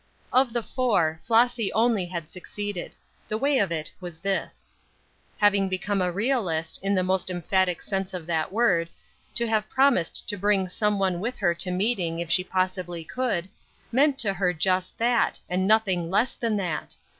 Of the four, Flossy only had succeeded. The way of it was this: Having become a realist, in the most emphatic sense of that word, to have promised to bring some one with her to meeting if she possibly could, meant to her just that, and nothing less than that.